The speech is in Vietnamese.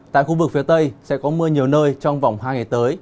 tại khu vực phía tây sẽ có mưa nhiều nơi trong vòng hai ngày tới